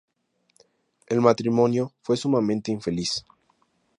El matrimonio fue sumamente infeliz.